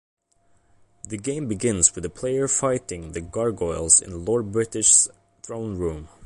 The game begins with the player fighting the gargoyles in Lord British's throne room.